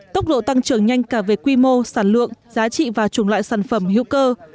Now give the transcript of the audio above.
tốc độ tăng trưởng nhanh cả về quy mô sản lượng giá trị và chủng loại sản phẩm hữu cơ